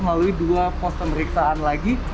melalui dua pos pemeriksaan lagi